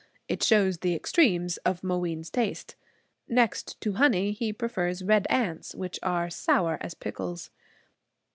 It shows the extremes of Mooween's taste. Next to honey he prefers red ants, which are sour as pickles.